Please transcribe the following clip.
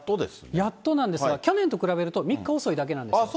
やっとですが、去年と比べると３日遅いだけなんですよ。